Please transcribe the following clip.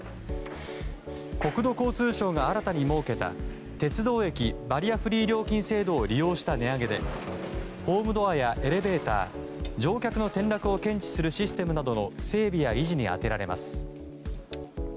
国土交通省が新たに設けた鉄道駅バリアフリー料金制度を利用した値上げでホームドアやエレベーター乗客の転落を検知するシステムなどの整備や維持に充てられます。